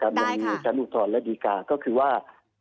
การเรียนมีสารอุทธรรมและดีการก็คือว่า